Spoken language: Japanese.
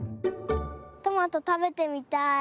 トマトたべてみたい。